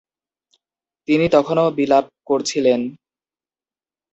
তিনি তখনও বিলাপ করছিলেন।